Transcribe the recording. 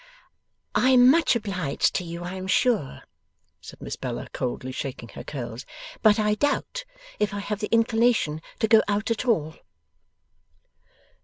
'I am much obliged to you, I am sure,' said Miss Bella, coldly shaking her curls, 'but I doubt if I have the inclination to go out at all.